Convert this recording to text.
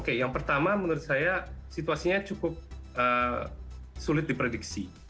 oke yang pertama menurut saya situasinya cukup sulit diprediksi